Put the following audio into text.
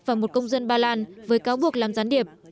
và một công dân ba lan với cáo buộc làm gián điệp